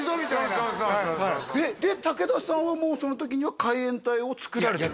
そうそうそうそうで武田さんはもうその時には海援隊を作られた？